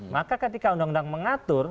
maka ketika undang undang mengatur